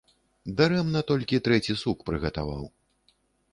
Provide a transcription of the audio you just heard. Дарэмна толькі трэці сук прыгатаваў.